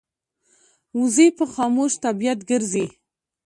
وزې په خاموش طبیعت ګرځي